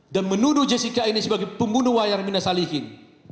dan menuduh jessica ini sebagai pembunuh warian minasalihin